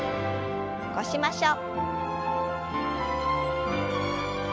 起こしましょう。